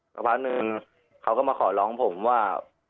สักพักนึงเขาก็มาขอร้องผมว่า